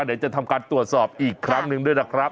เดี๋ยวจะทำการตรวจสอบอีกครั้งหนึ่งด้วยนะครับ